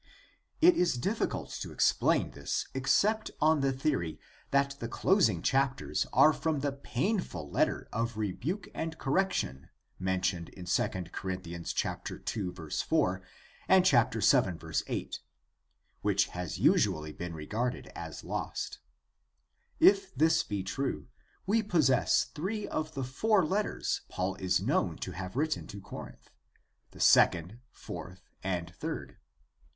It is difficult to explain this except on the theory that the closing chapters are from the painful letter of rebuke and correction mentioned in II Cor. 2:4 and 7:8, which has usually been regarded as lost. If this be true, we possess three of the four letters Paul is known to have written to Corinth — the second, fourth, and third.